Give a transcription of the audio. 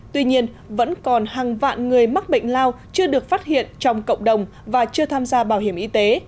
tuy nhiên vẫn còn hàng vạn người mắc bệnh lao chưa được phát hiện trong cộng đồng và chưa tham gia bảo hiểm y tế